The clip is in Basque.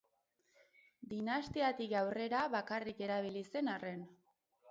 Dinastiatik aurrera bakarrik erabili zen arren.